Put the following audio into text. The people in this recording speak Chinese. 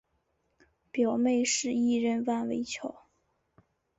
表妹是艺人万玮乔。